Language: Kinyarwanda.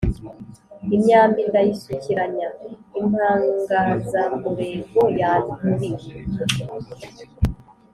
Imyambi ndayisukiranya Impangazamurego yanturiwe